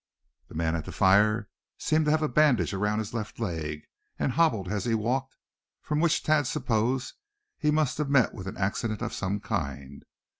The man at the fire seemed to have a bandage around his left leg, and hobbled as he walked; from which Thad supposed he must have met with an accident of some kind.